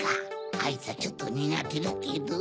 あいつはちょっとニガテだけど。